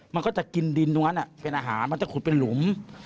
มันก็จะกินดินตรงนั้นเป็นอาหารมันจะขุดเป็นหลุม